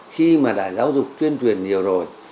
khi mà đã giáo dục chuyên truyền nhiều rồi